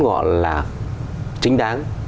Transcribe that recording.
gọi là chính đáng